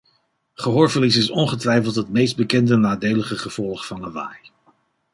Gehoorverlies is ongetwijfeld het meest bekende nadelige gevolg van lawaai.